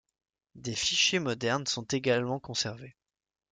Des fichiers modernes sont également conservés.